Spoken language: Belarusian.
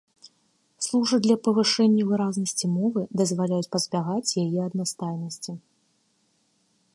Служаць для павышэння выразнасці мовы, дазваляюць пазбягаць яе аднастайнасці.